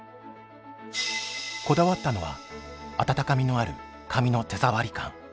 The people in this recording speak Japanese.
こだわったのは温かみのある紙の手触り感。